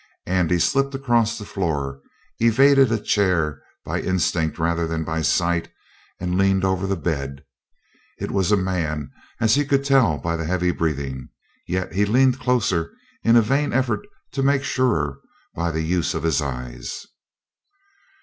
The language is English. Andy slipped across the floor, evaded a chair by instinct rather than by sight, and leaned over the bed. It was a man, as he could tell by the heavy breathing; yet he leaned closer in a vain effort to make surer by the use of his eyes.